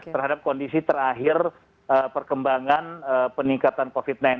terhadap kondisi terakhir perkembangan peningkatan covid sembilan belas